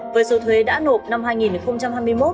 với số thuế đã nộp năm hai nghìn hai mươi một